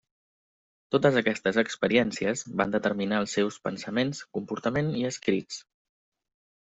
Totes aquestes experiències van determinar els seus pensaments, comportament i escrits.